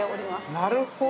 なるほど！